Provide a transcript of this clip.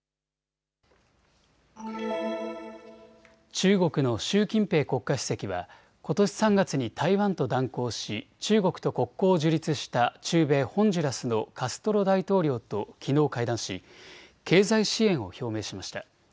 中国の習近平国家主席はことし３月に台湾と断交し中国と国交を樹立した中米ホンジュラスのカストロ大統領ときのう会談し経済支援を表明しました。